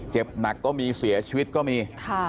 เจ็บหนักก็มีเสียชีวิตก็มี